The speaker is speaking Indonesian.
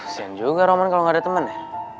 sian juga roman kalo gak ada temen ya